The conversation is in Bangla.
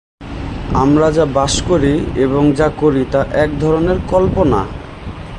আমরা যা বাস করি এবং যা করি তা এক ধরনের কল্পনা।